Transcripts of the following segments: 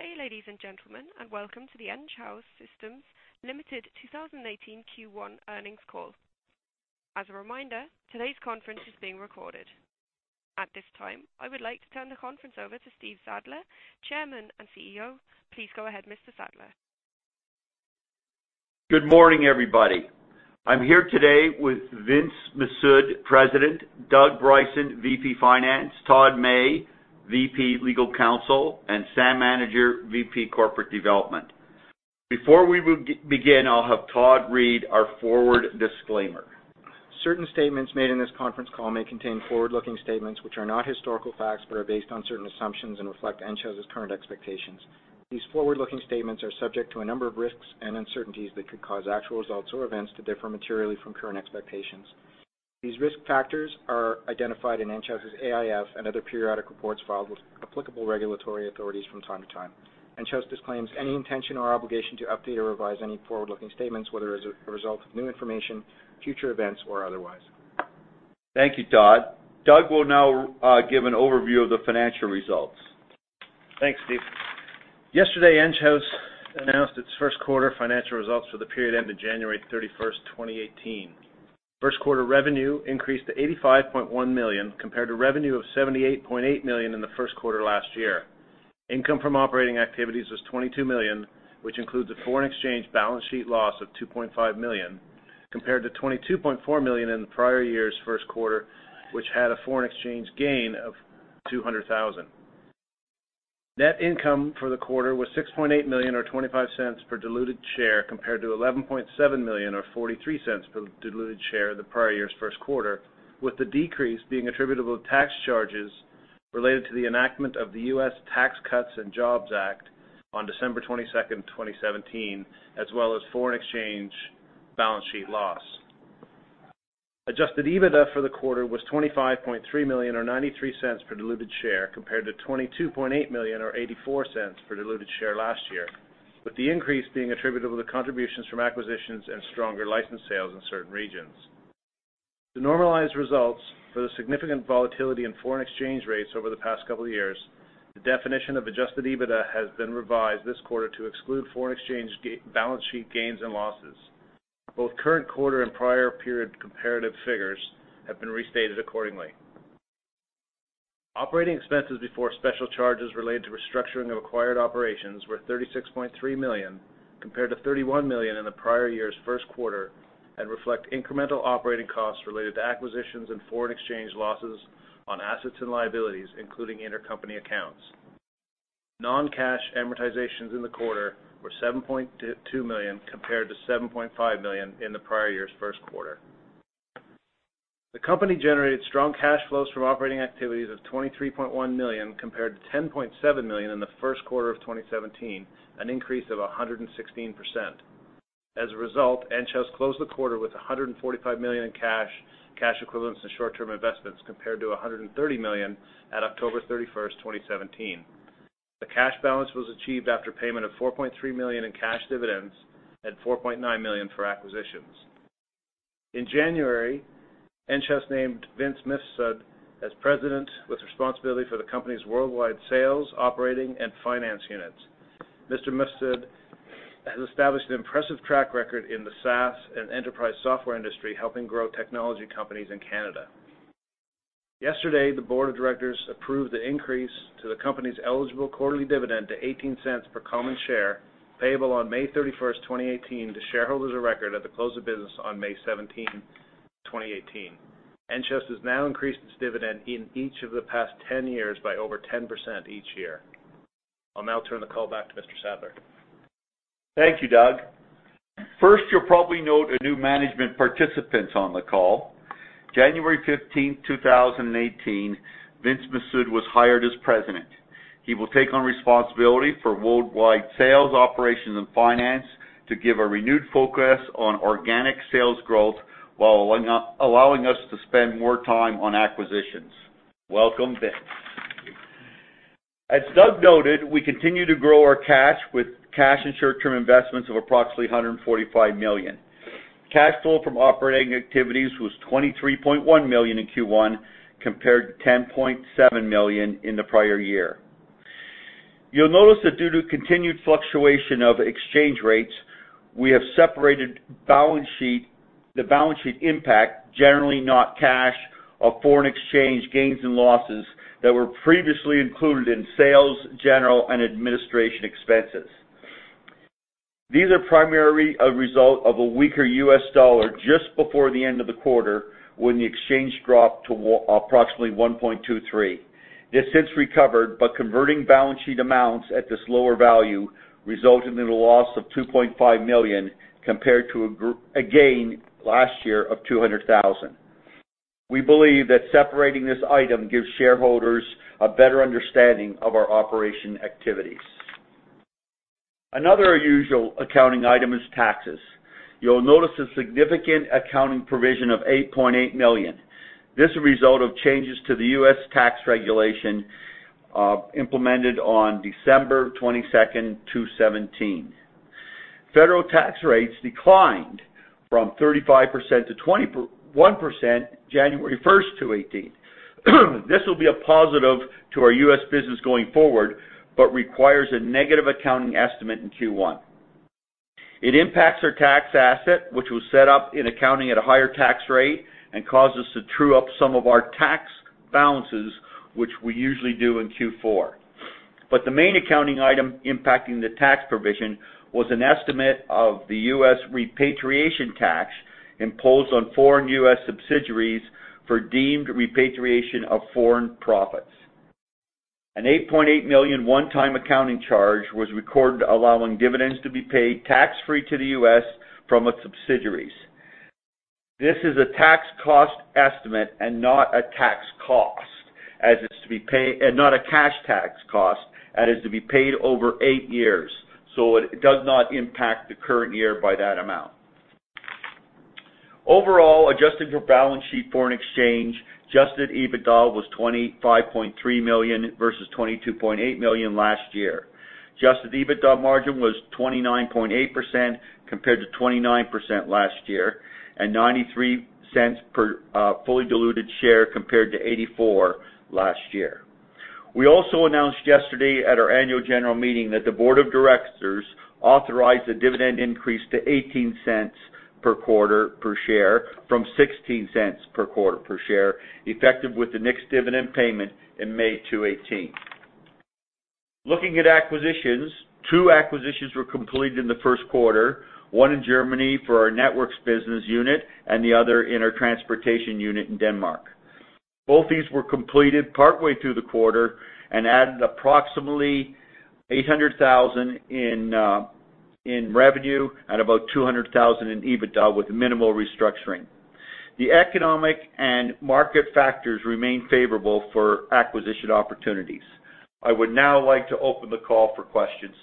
Good day, ladies and gentlemen, and welcome to the Enghouse Systems Limited 2018 Q1 earnings call. As a reminder, today's conference is being recorded. At this time, I would like to turn the conference over to Stephen Sadler, Chairman and CEO. Please go ahead, Mr. Sadler. Good morning, everybody. I'm here today with Vince Mifsud, President, Doug Bryson, VP Finance, Todd May, VP Legal Counsel, and Sam Anidjar, VP Corporate Development. Before we begin, I'll have Todd read our forward disclaimer. Certain statements made in this conference call may contain forward-looking statements, which are not historical facts but are based on certain assumptions and reflect Enghouse's current expectations. These forward-looking statements are subject to a number of risks and uncertainties that could cause actual results or events to differ materially from current expectations. These risk factors are identified in Enghouse's AIF and other periodic reports filed with applicable regulatory authorities from time to time. Enghouse disclaims any intention or obligation to update or revise any forward-looking statements, whether as a result of new information, future events, or otherwise. Thank you, Todd. Doug will now give an overview of the financial results. Thanks, Steve. Yesterday, Enghouse announced its first quarter financial results for the period ending January 31st, 2018. First quarter revenue increased to 85.1 million, compared to revenue of 78.8 million in the first quarter last year. Income from operating activities was 22 million, which includes a foreign exchange balance sheet loss of 2.5 million, compared to 22.4 million in the prior year's first quarter, which had a foreign exchange gain of 200,000. Net income for the quarter was 6.8 million or 0.25 per diluted share compared to 11.7 million or 0.43 per diluted share in the prior year's first quarter, with the decrease being attributable to tax charges related to the enactment of the U.S. Tax Cuts and Jobs Act on December 22nd, 2017, as well as foreign exchange balance sheet loss. adjusted EBITDA for the quarter was 25.3 million or 0.93 per diluted share compared to 22.8 million or 0.84 per diluted share last year, with the increase being attributable to contributions from acquisitions and stronger license sales in certain regions. To normalize results for the significant volatility in foreign exchange rates over the past couple of years, the definition of adjusted EBITDA has been revised this quarter to exclude foreign exchange balance sheet gains and losses. Both current quarter and prior period comparative figures have been restated accordingly. Operating expenses before special charges related to restructuring of acquired operations were 36.3 million, compared to 31 million in the prior year's first quarter, and reflect incremental operating costs related to acquisitions and foreign exchange losses on assets and liabilities, including intercompany accounts. Non-cash amortizations in the quarter were 7.2 million, compared to 7.5 million in the prior year's first quarter. The company generated strong cash flows from operating activities of 23.1 million, compared to 10.7 million in the first quarter of 2017, an increase of 116%. As a result, Enghouse closed the quarter with 145 million in cash equivalents, and short-term investments, compared to 130 million at October 31st, 2017. The cash balance was achieved after payment of 4.3 million in cash dividends and 4.9 million for acquisitions. In January, Enghouse named Vince Mifsud as president with responsibility for the company's worldwide sales, operating, and finance units. Mr. Mifsud has established an impressive track record in the SaaS and enterprise software industry, helping grow technology companies in Canada. Yesterday, the board of directors approved the increase to the company's eligible quarterly dividend to 0.18 per common share, payable on May 31st, 2018, to shareholders of record at the close of business on May 17, 2018. Enghouse has now increased its dividend in each of the past 10 years by over 10% each year. I'll now turn the call back to Mr. Sadler. Thank you, Doug. First, you'll probably note a new management participant on the call. January 15th, 2018, Vince Mifsud was hired as President. He will take on responsibility for worldwide sales, operations, and finance to give a renewed focus on organic sales growth while allowing us to spend more time on acquisitions. Welcome, Vince. As Doug noted, we continue to grow our cash with cash and short-term investments of approximately 145 million. Cash flow from operating activities was 23.1 million in Q1, compared to 10.7 million in the prior year. You'll notice that due to continued fluctuation of exchange rates, we have separated the balance sheet impact, generally not cash or foreign exchange gains and losses that were previously included in sales, general, and administration expenses. These are primarily a result of a weaker US dollar just before the end of the quarter when the exchange dropped to approximately 1.23. This since recovered, converting balance sheet amounts at this lower value resulted in a loss of 2.5 million, compared to a gain last year of 200,000. We believe that separating this item gives shareholders a better understanding of our operation activities. Another usual accounting item is taxes. You'll notice a significant accounting provision of 8.8 million. This is a result of changes to the U.S. tax regulation implemented on December 22nd, 2017. Federal tax rates declined from 35% to 21% January 1st, 2018. This will be a positive to our U.S. business going forward, but requires a negative accounting estimate in Q1. It impacts our tax asset, which was set up in accounting at a higher tax rate and caused us to true up some of our tax balances, which we usually do in Q4. The main accounting item impacting the tax provision was an estimate of the U.S. repatriation tax imposed on foreign U.S. subsidiaries for deemed repatriation of foreign profits. A 8.8 million one-time accounting charge was recorded, allowing dividends to be paid tax-free to the U.S. from its subsidiaries. This is a tax cost estimate and not a cash tax cost, as it's to be paid over eight years, so it does not impact the current year by that amount. Overall, adjusted for balance sheet foreign exchange, adjusted EBITDA was 25.3 million versus 22.8 million last year. Adjusted EBITDA margin was 29.8% compared to 29% last year, and 0.93 per fully diluted share compared to 0.84 last year. We also announced yesterday at our annual general meeting that the board of directors authorized a dividend increase to 0.18 per quarter per share from 0.16 per quarter per share, effective with the next dividend payment in May 2018. Looking at acquisitions, two acquisitions were completed in the first quarter, one in Germany for our networks business unit and the other in our transportation unit in Denmark. Both these were completed partway through the quarter and added approximately 800,000 in revenue at about 200,000 in EBITDA, with minimal restructuring. The economic and market factors remain favorable for acquisition opportunities. I would now like to open the call for questions.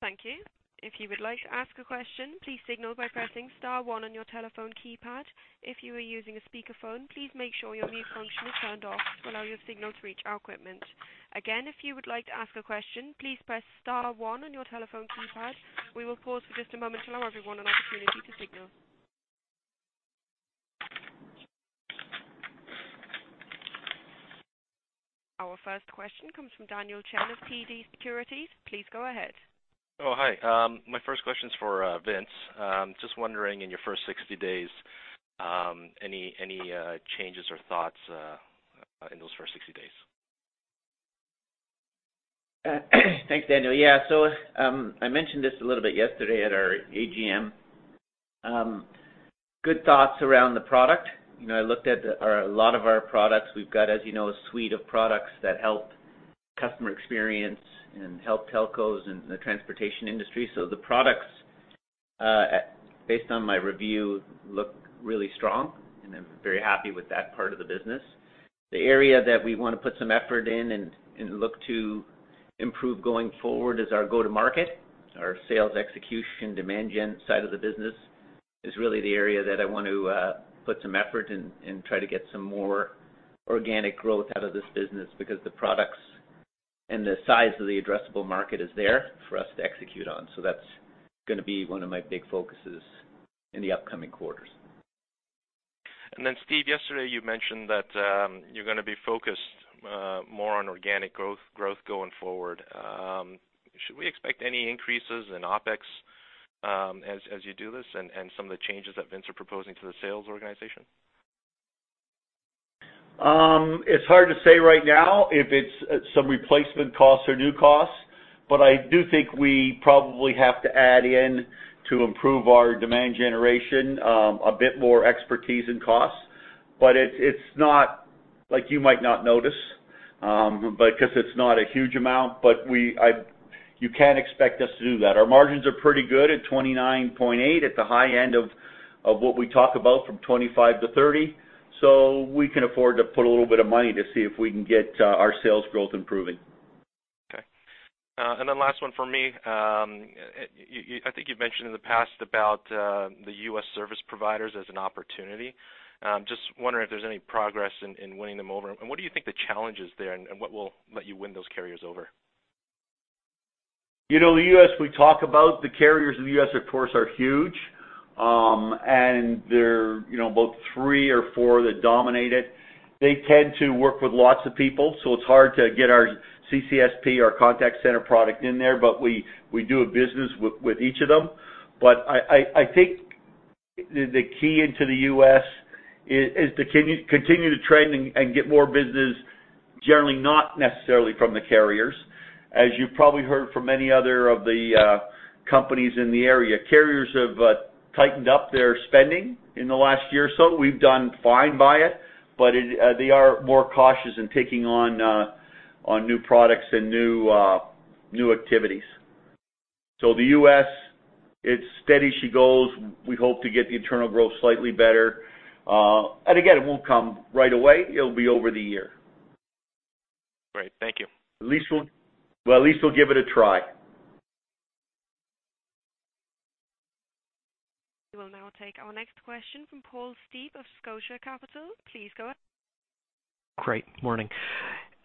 Thank you. If you would like to ask a question, please signal by pressing *1 on your telephone keypad. If you are using a speakerphone, please make sure your mute function is turned off to allow your signal to reach our equipment. Again, if you would like to ask a question, please press *1 on your telephone keypad. We will pause for just a moment to allow everyone an opportunity to signal. Our first question comes from Daniel Chan of TD Securities. Please go ahead. Hi. My first question is for Vince. Just wondering in your first 60 days, any changes or thoughts in those first 60 days? Thanks, Daniel. I mentioned this a little bit yesterday at our AGM. Good thoughts around the product. I looked at a lot of our products. We've got, as you know, a suite of products that help customer experience and help telcos in the transportation industry. The products, based on my review, look really strong, and I'm very happy with that part of the business. The area that we want to put some effort in and look to improve going forward is our go-to-market. Our sales execution, demand gen side of the business is really the area that I want to put some effort in and try to get some more organic growth out of this business because the products and the size of the addressable market is there for us to execute on. That's going to be one of my big focuses in the upcoming quarters. Steve, yesterday you mentioned that you're going to be focused more on organic growth going forward. Should we expect any increases in OpEx as you do this and some of the changes that Vince are proposing to the sales organization? It's hard to say right now if it's some replacement costs or new costs, I do think we probably have to add in to improve our demand generation, a bit more expertise and costs. You might not notice, because it's not a huge amount, you can expect us to do that. Our margins are pretty good at 29.8% at the high end of what we talk about from 25%-30%. We can afford to put a little bit of money to see if we can get our sales growth improving. Okay. Last one from me. I think you've mentioned in the past about the U.S. service providers as an opportunity. Just wondering if there's any progress in winning them over. What do you think the challenge is there, and what will let you win those carriers over? The U.S. we talk about, the carriers in the U.S., of course, are huge. They're both three or four that dominate it. They tend to work with lots of people, so it's hard to get our CCSP, our contact center product in there, but we do a business with each of them. I think the key into the U.S. is to continue to train and get more business, generally not necessarily from the carriers. As you probably heard from many other of the companies in the area, carriers have tightened up their spending in the last year or so. We've done fine by it, but they are more cautious in taking on new products and new activities. The U.S., it's steady she goes. We hope to get the internal growth slightly better. Again, it won't come right away. It'll be over the year. Great. Thank you. Well, at least we'll give it a try. We will now take our next question from Paul Steep of Scotia Capital. Please go ahead. Great. Morning.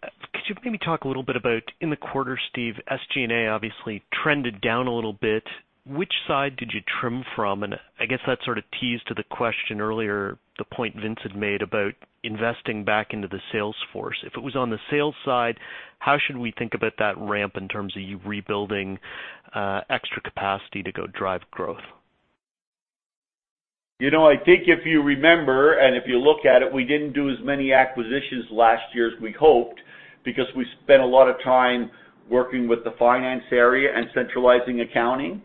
Could you maybe talk a little bit about in the quarter, Steve, SG&A obviously trended down a little bit. Which side did you trim from? I guess that sort of teased to the question earlier, the point Vince had made about investing back into the sales force. If it was on the sales side, how should we think about that ramp in terms of you rebuilding extra capacity to go drive growth? I think if you remember, if you look at it, we didn't do as many acquisitions last year as we hoped because we spent a lot of time working with the finance area and centralizing accounting.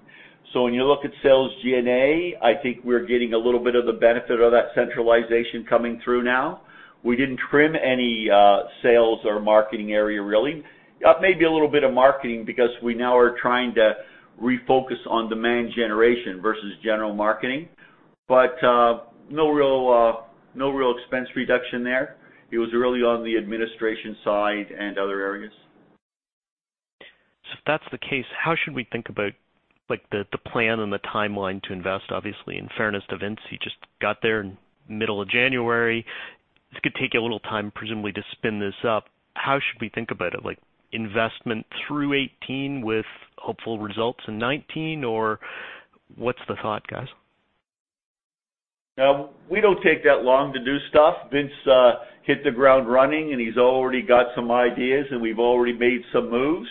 When you look at sales G&A, I think we're getting a little bit of the benefit of that centralization coming through now. We didn't trim any sales or marketing area really. Maybe a little bit of marketing because we now are trying to refocus on demand generation versus general marketing, no real expense reduction there. It was really on the administration side and other areas. If that's the case, how should we think about the plan and the timeline to invest? Obviously, in fairness to Vince, he just got there in middle of January. This could take you a little time, presumably, to spin this up. How should we think about it, like investment through 2018 with hopeful results in 2019? Or what's the thought, guys? We don't take that long to do stuff. Vince hit the ground running, and he's already got some ideas, and we've already made some moves.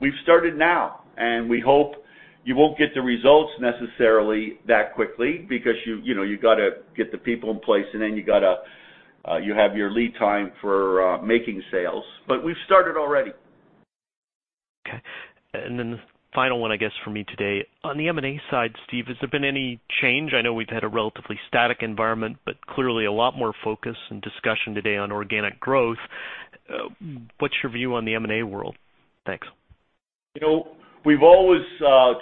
We've started now, and we hope you won't get the results necessarily that quickly because you got to get the people in place, and then you have your lead time for making sales. We've started already. Okay. The final one, I guess, from me today. On the M&A side, Steve, has there been any change? I know we've had a relatively static environment, clearly a lot more focus and discussion today on organic growth. What's your view on the M&A world? Thanks. We've always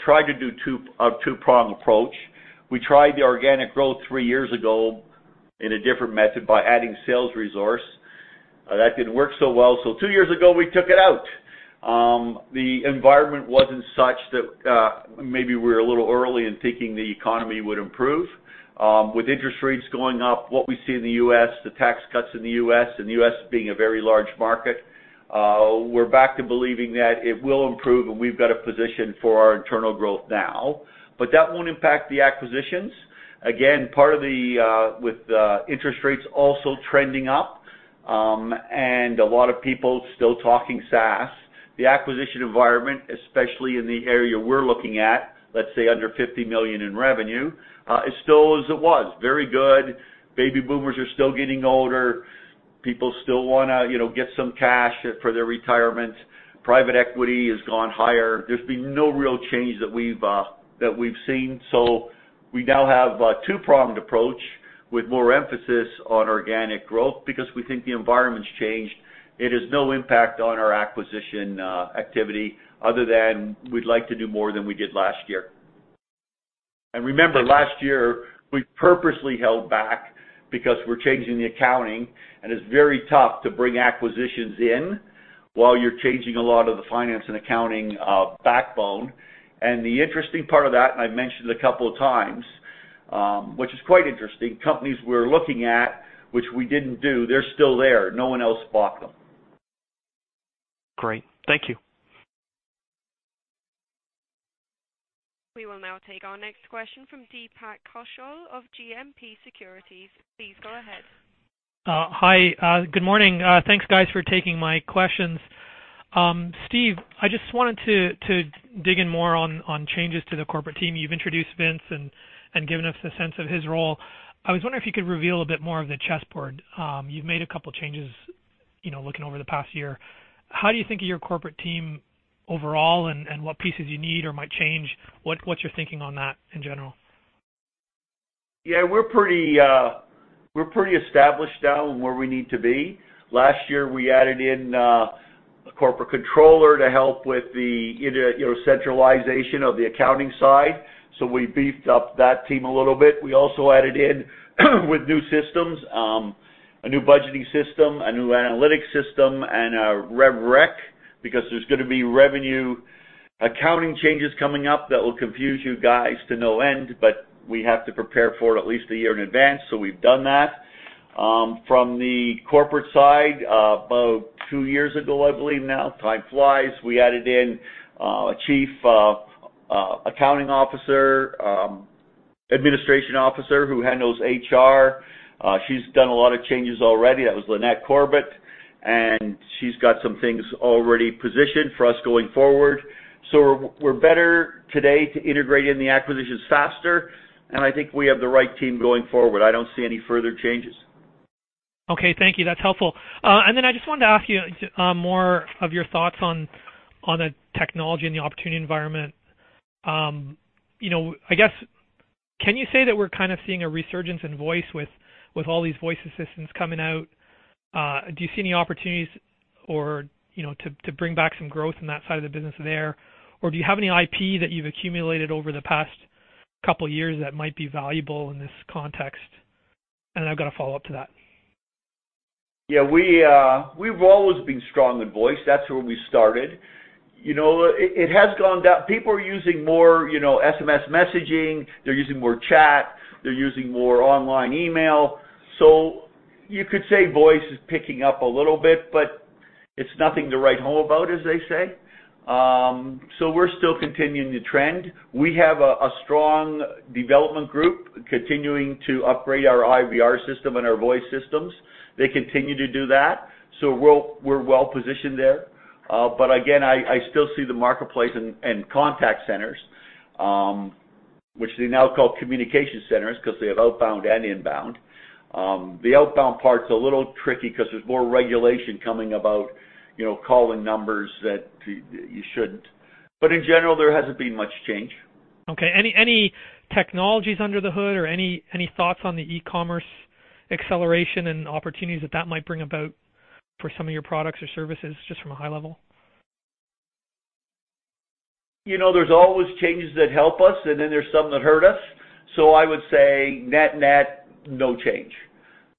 tried to do a two-pronged approach. We tried the organic growth three years ago in a different method by adding sales resource. That didn't work so well. Two years ago, we took it out. The environment wasn't such that maybe we were a little early in thinking the economy would improve. With interest rates going up, what we see in the U.S., the tax cuts in the U.S., and the U.S. being a very large market, we're back to believing that it will improve, and we've got a position for our internal growth now. That won't impact the acquisitions. Again, with interest rates also trending up, and a lot of people still talking SaaS, the acquisition environment, especially in the area we're looking at, let's say under 50 million in revenue, is still as it was, very good. Baby boomers are still getting older. People still want to get some cash for their retirement. Private equity has gone higher. There's been no real change that we've seen. We now have a two-pronged approach with more emphasis on organic growth because we think the environment's changed. It has no impact on our acquisition activity other than we'd like to do more than we did last year. Remember, last year, we purposely held back because we're changing the accounting, and it's very tough to bring acquisitions in while you're changing a lot of the finance and accounting backbone. The interesting part of that, and I've mentioned it a couple of times, which is quite interesting, companies we're looking at, which we didn't do, they're still there. No one else bought them. Great. Thank you. We will now take our next question from Deepak Kaushal of GMP Securities. Please go ahead. Hi. Good morning. Thanks, guys, for taking my questions. Steve, I just wanted to dig in more on changes to the corporate team. You've introduced Vince and given us a sense of his role. I was wondering if you could reveal a bit more of the chessboard. You've made a couple changes, looking over the past year. How do you think of your corporate team overall and what pieces you need or might change? What's your thinking on that in general? Yeah, we're pretty established now in where we need to be. Last year, we added in a corporate controller to help with the centralization of the accounting side. We beefed up that team a little bit. We also added in with new systems, a new budgeting system, a new analytics system, and a rev rec, because there's going to be revenue accounting changes coming up that will confuse you guys to no end, but we have to prepare for it at least a year in advance. We've done that. From the corporate side, about two years ago, I believe now, time flies, we added in a chief accounting officer, administration officer who handles HR. She's done a lot of changes already. That was Lynette Corbett, and she's got some things already positioned for us going forward. We're better today to integrate in the acquisitions faster, and I think we have the right team going forward. I don't see any further changes. Okay, thank you. That's helpful. I just wanted to ask you more of your thoughts on the technology and the opportunity environment. I guess, can you say that we're kind of seeing a resurgence in voice with all these voice assistants coming out? Do you see any opportunities to bring back some growth in that side of the business there? Do you have any IP that you've accumulated over the past couple of years that might be valuable in this context? I've got a follow-up to that. Yeah, we've always been strong in voice. That's where we started. People are using more SMS messaging. They're using more chat. They're using more online email. You could say voice is picking up a little bit, but it's nothing to write home about, as they say. We're still continuing to trend. We have a strong development group continuing to upgrade our IVR system and our voice systems. They continue to do that, so we're well-positioned there. Again, I still see the marketplace and contact centers, which they now call communication centers because they have outbound and inbound. The outbound part's a little tricky because there's more regulation coming about calling numbers that you shouldn't. In general, there hasn't been much change. Okay. Any technologies under the hood or any thoughts on the e-commerce acceleration and opportunities that that might bring about for some of your products or services, just from a high level? There's always changes that help us, and then there's some that hurt us. I would say net, no change.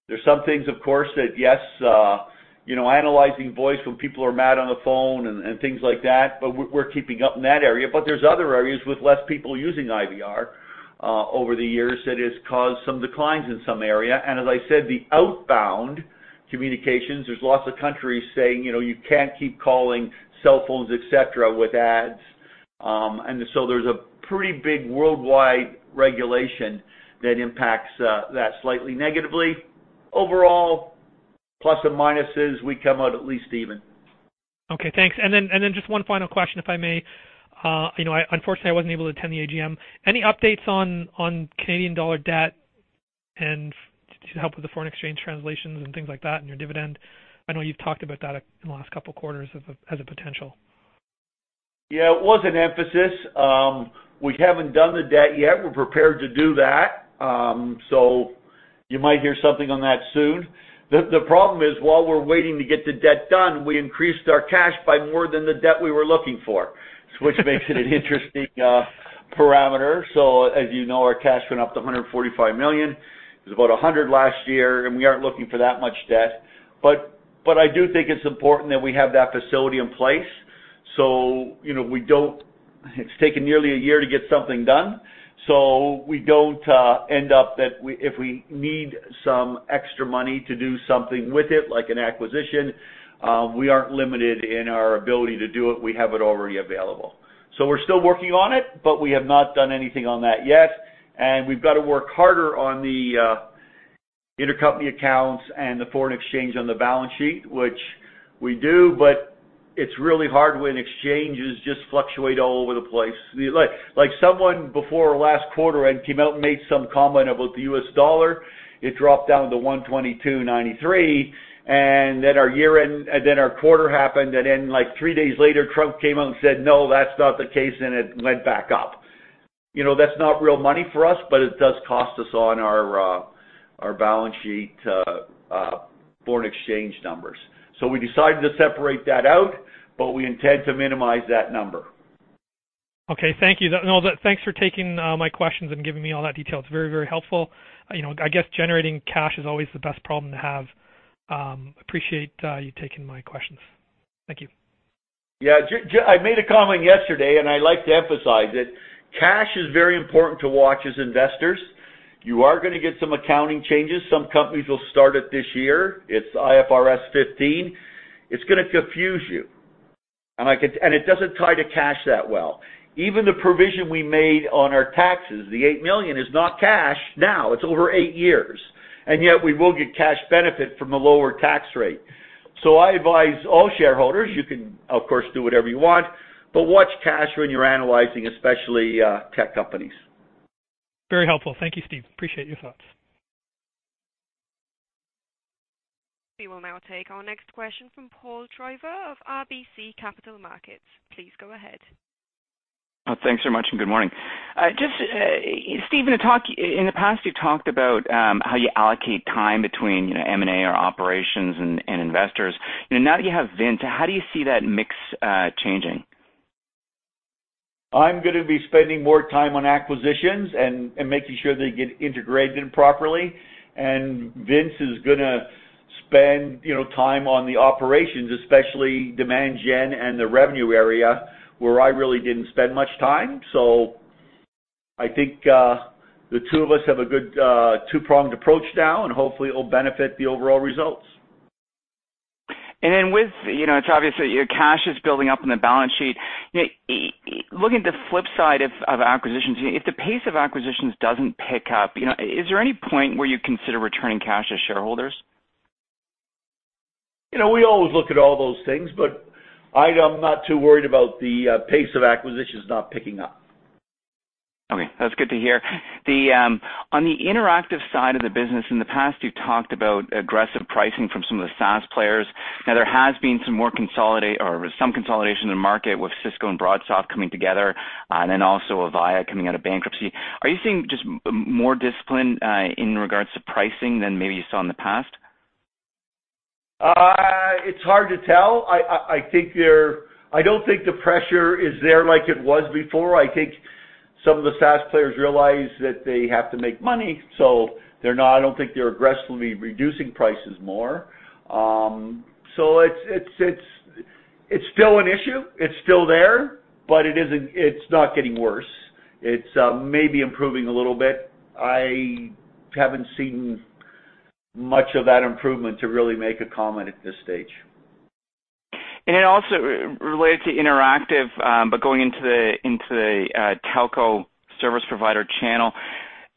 There's some things, of course, that yes, analyzing voice when people are mad on the phone and things like that, but we're keeping up in that area. There's other areas with less people using IVR over the years that has caused some declines in some area. As I said, the outbound communications, there's lots of countries saying, you can't keep calling cell phones, et cetera, with ads. There's a pretty big worldwide regulation that impacts that slightly negatively. Overall, plus and minuses, we come out at least even. Okay, thanks. Just one final question, if I may. Unfortunately, I wasn't able to attend the AGM. Any updates on Canadian dollar debt and to help with the foreign exchange translations and things like that and your dividend? I know you've talked about that in the last couple of quarters as a potential. Yeah, it was an emphasis. We haven't done the debt yet. We're prepared to do that. You might hear something on that soon. The problem is, while we're waiting to get the debt done, we increased our cash by more than the debt we were looking for- which makes it an interesting parameter. As you know, our cash went up to 145 million. It was about 100 million last year, and we aren't looking for that much debt. I do think it's important that we have that facility in place. It's taken nearly a year to get something done, so we don't end up that if we need some extra money to do something with it, like an acquisition, we aren't limited in our ability to do it. We have it already available. We're still working on it, but we have not done anything on that yet. We've got to work harder on the intercompany accounts and the foreign exchange on the balance sheet, which we do, but it's really hard when exchanges just fluctuate all over the place. Like someone before last quarter had came out and made some comment about the US dollar. It dropped down to 12293, and then our quarter happened, and then 3 days later, Trump came out and said, "No, that's not the case," and it went back up. That's not real money for us, but it does cost us on our balance sheet foreign exchange numbers. We decided to separate that out, but we intend to minimize that number. Okay. Thank you. Thanks for taking my questions and giving me all that detail. It's very, very helpful. I guess generating cash is always the best problem to have. Appreciate you taking my questions. Thank you. Yeah. I made a comment yesterday, and I'd like to emphasize it. Cash is very important to watch as investors. You are going to get some accounting changes. Some companies will start it this year. It's IFRS 15. It's going to confuse you. It doesn't tie to cash that well. Even the provision we made on our taxes, the 8 million, is not cash now. It's over 8 years, and yet we will get cash benefit from the lower tax rate. I advise all shareholders, you can, of course, do whatever you want, but watch cash when you're analyzing, especially tech companies. Very helpful. Thank you, Steve. Appreciate your thoughts. We will now take our next question from Paul Treiber of RBC Capital Markets. Please go ahead. Thanks so much, and good morning. Steve, in the past, you've talked about how you allocate time between M&A or operations and investors. Now that you have Vince, how do you see that mix changing? I'm going to be spending more time on acquisitions and making sure they get integrated properly, and Vince is going to spend time on the operations, especially demand gen and the revenue area where I really didn't spend much time. I think the two of us have a good two-pronged approach now, and hopefully it will benefit the overall results. It's obvious that your cash is building up on the balance sheet. Looking at the flip side of acquisitions, if the pace of acquisitions doesn't pick up, is there any point where you consider returning cash to shareholders? We always look at all those things, I'm not too worried about the pace of acquisitions not picking up. Okay. That's good to hear. On the interactive side of the business, in the past, you've talked about aggressive pricing from some of the SaaS players. There has been some consolidation in the market with Cisco and BroadSoft coming together, and then also Avaya coming out of bankruptcy. Are you seeing just more discipline in regards to pricing than maybe you saw in the past? It's hard to tell. I don't think the pressure is there like it was before. Some of the SaaS players realize that they have to make money, I don't think they're aggressively reducing prices more. It's still an issue. It's still there, it's not getting worse. It's maybe improving a little bit. I haven't seen much of that improvement to really make a comment at this stage. Related to interactive, going into the telco service provider channel,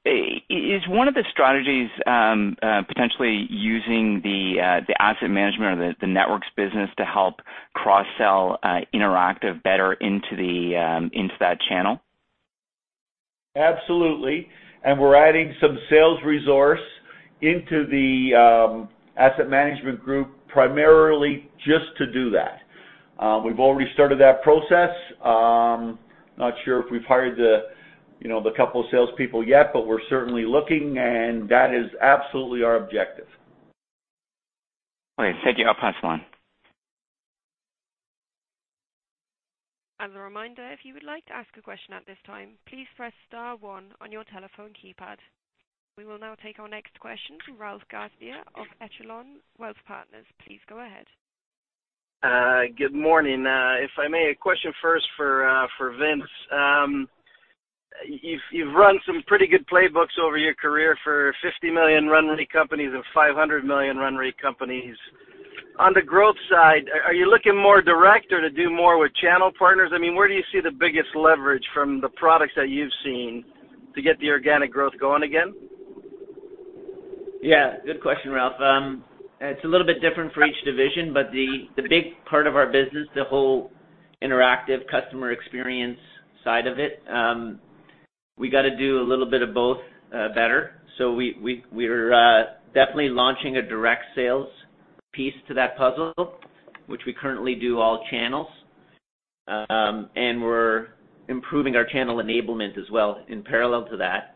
is one of the strategies potentially using the asset management or the networks business to help cross-sell interactive better into that channel? Absolutely. We're adding some sales resource into the asset management group primarily just to do that. We've already started that process. Not sure if we've hired the couple of salespeople yet, but we're certainly looking, and that is absolutely our objective. Great. Thank you. I'll pass it on. As a reminder, if you would like to ask a question at this time, please press star one on your telephone keypad. We will now take our next question from Ralph Garcea of Echelon Wealth Partners. Please go ahead. Good morning. If I may, a question first for Vince. You've run some pretty good playbooks over your career for 50 million run rate companies and 500 million run rate companies. On the growth side, are you looking more direct or to do more with channel partners? Where do you see the biggest leverage from the products that you've seen to get the organic growth going again? Good question, Ralph. It's a little bit different for each division, but the big part of our business, the whole interactive customer experience side of it, we got to do a little bit of both better. We're definitely launching a direct sales piece to that puzzle, which we currently do all channels. We're improving our channel enablement as well in parallel to that.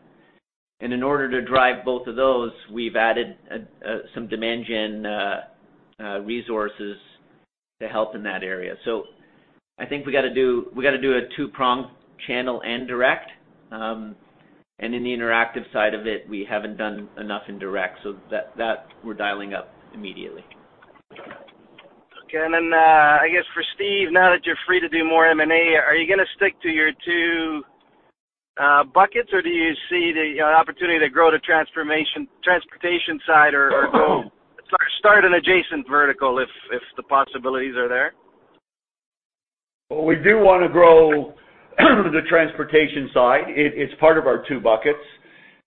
In order to drive both of those, we've added some demand gen resources to help in that area. I think we got to do a two-pronged channel and direct. In the interactive side of it, we haven't done enough in direct, so that we're dialing up immediately. Okay. I guess for Steve, now that you're free to do more M&A, are you going to stick to your two buckets, or do you see the opportunity to grow the transportation side or start an adjacent vertical if the possibilities are there? We do want to grow the transportation side. It's part of our two buckets.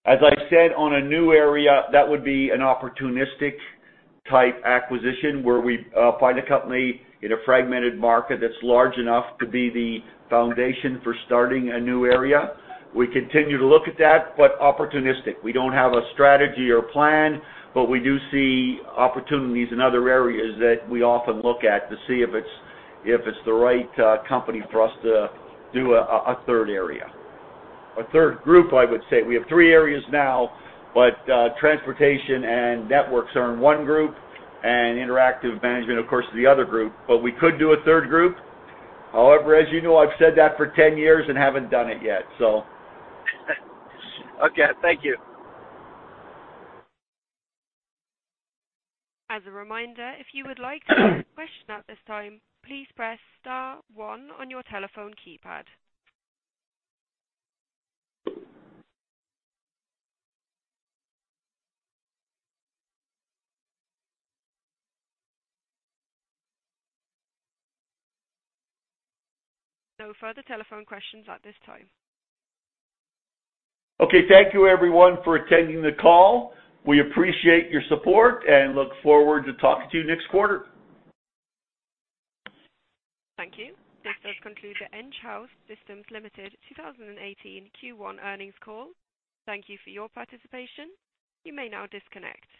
As I said, on a new area, that would be an opportunistic type acquisition where we find a company in a fragmented market that's large enough to be the foundation for starting a new area. We continue to look at that, opportunistic. We don't have a strategy or plan, we do see opportunities in other areas that we often look at to see if it's the right company for us to do a third area. A third group, I would say. We have three areas now, transportation and networks are in one group, and interactive management, of course, is the other group. We could do a third group. However, as you know, I've said that for 10 years and haven't done it yet. Okay. Thank you. As a reminder, if you would like to ask a question at this time, please press star one on your telephone keypad. No further telephone questions at this time. Okay. Thank you everyone for attending the call. We appreciate your support and look forward to talking to you next quarter. Thank you. This does conclude the Enghouse Systems Limited 2018 Q1 earnings call. Thank you for your participation. You may now disconnect.